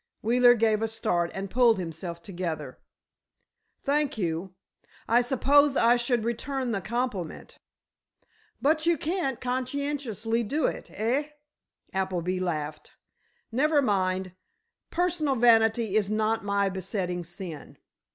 Wheeler gave a start and pulled himself together. "Thank you. I suppose I should return the compliment." "But you can't conscientiously do it, eh?" Appleby laughed. "Never mind. Personal vanity is not my besetting sin.